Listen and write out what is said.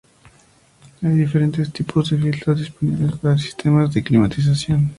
Hay diferentes tipos de filtros disponibles para sistemas de climatización.